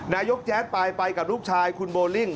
แจ๊ดไปไปกับลูกชายคุณโบลิ่ง